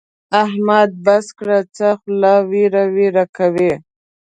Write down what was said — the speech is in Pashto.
احمده! بس کړه؛ څه خوله ويړه ويړه کوې.